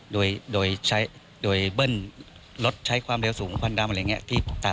ด้วยเบิ้ลสูงและลดความร้ายความเลี้ยวสูงควันด้ำ